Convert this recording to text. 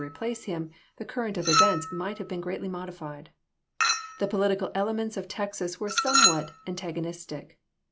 replace him, the current of events might have been greatly modified. The political elements of Texas were somewhat antagonistic.